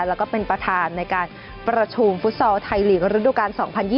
แล้วก็เป็นประธานในการประชุมฟุตซอลไทยลีกระดูกาล๒๐๒๐